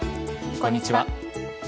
こんにちは。